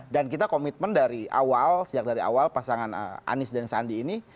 dan kita komitmen dari awal sejak dari awal pasangan anis dan sandi ini